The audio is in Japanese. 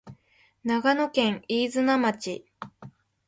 長野県飯綱町